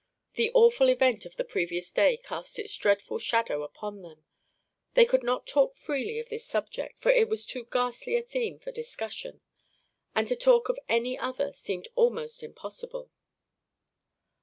The awful event of the previous day cast its dreadful shadow upon them. They could not talk freely of this subject—for it was too ghastly a theme for discussion—and to talk of any other seemed almost impossible.